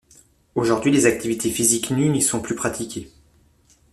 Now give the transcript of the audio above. Aujourd'hui les activités physiques nues n'y sont plus pratiquées.